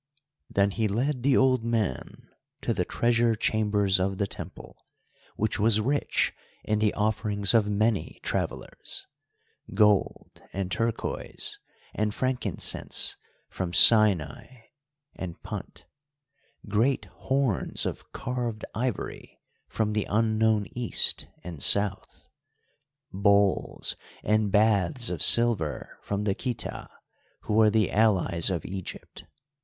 Then he led the old man to the treasure chambers of the Temple, which was rich in the offerings of many travellers, gold and turquoise and frankincense from Sinai and Punt, great horns of carved ivory from the unknown East and South; bowls and baths of silver from the Khita, who were the allies of Egypt.